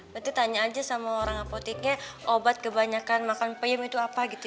berarti tanya aja sama orang apoteknya obat kebanyakan makan payem itu apa gitu ya